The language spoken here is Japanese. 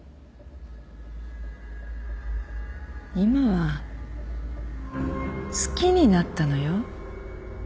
今は好きになったのよ。